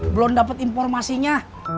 belum dapet informasinya